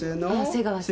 瀬川さん。